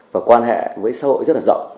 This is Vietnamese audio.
và quan hệ với xã hội rất là rộng